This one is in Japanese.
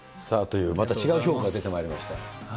さあ、という、また違う評価が出てまいりました。